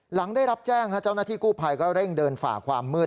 หลังได้รับแจ้งเจ้าหน้าที่กู้ภัยก็เร่งเดินฝ่าความมืด